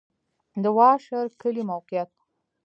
د واشر کلی موقعیت